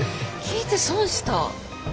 聞いて損した。